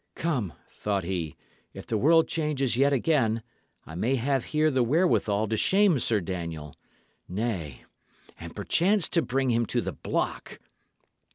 "Come," thought he, "if the world changes yet again, I may have here the wherewithal to shame Sir Daniel nay, and perchance to bring him to the block."